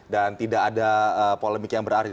dan tidak ada polemik yang berarti